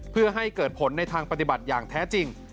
เพื่อให้เกิดผลในทางปฏิบัติอย่างแท้จริง